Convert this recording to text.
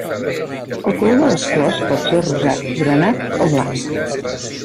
El color de les flors pot ser rosat, granat o blanc.